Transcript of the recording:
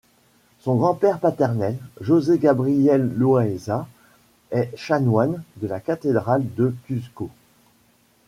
Son grand-père paternel, José Gabriel Loaiza, est chanoine de la cathédrale de Cuzco.